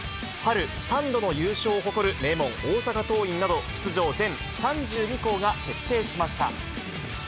春３度の優勝を誇る名門、大阪桐蔭など、出場全３２校が決定しました。